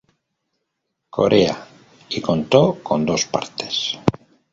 Corea" y contó con dos partes.